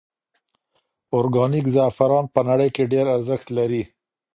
ارګانیک زعفران په نړۍ کې ډېر ارزښت لري.